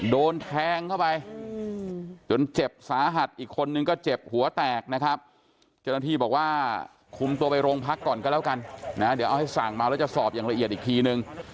โดนแทงเข้าไปจนเจ็บสาหัสอีกคนนึงก็เจ็บหัวแตกนะครับเจ้าหน้าที่บอกว่าคุมตัวไปโรงพักก่อนก็แล้วกันนะเดี๋ยวเอาให้สั่งเมาแล้วจะสอบอย่างละเอียดอีกทีนึง